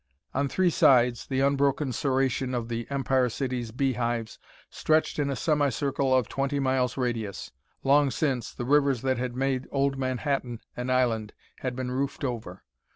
On three sides, the unbroken serration of the Empire City's beehives stretched in a semicircle of twenty miles radius. Long since, the rivers that had made old Manhattan an island had been roofed over.